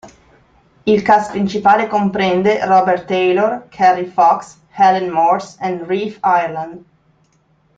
Il cast principale comprende Robert Taylor, Kerry Fox, Helen Morse e Reef Ireland.